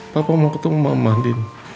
papa mau ketemu mama din